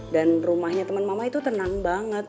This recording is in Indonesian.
dan rumahnya temen mama itu tenang banget